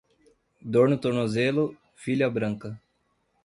Dor no tornozelo, filha branca.